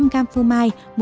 một mươi năm g phô mai